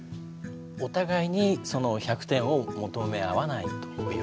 お互いにその１００点を求め合わないという。